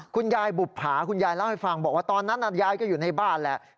คุณยายเล่าให้ฟังบอกว่าตอนนั้นยายก็อยู่ในบ้านแหละ